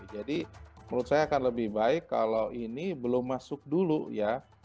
jadi menurut saya akan lebih baik kalau ini belum masuk dulu ya